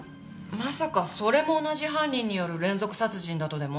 まさかそれも同じ犯人による連続殺人だとでも？